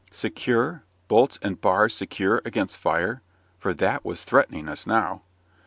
Secure? bolts and bars secure against fire? For that was threatening us now.